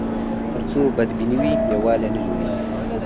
تر څو بدبیني وي، یووالی نه جوړېږي.